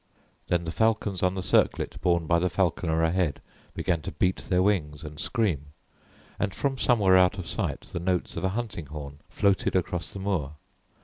Then the falcons on the circlet borne by the falconer ahead began to beat their wings and scream, and from somewhere out of sight the notes of a hunting horn floated across the moor.